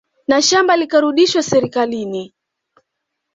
Na shamba likarudishwa serikalini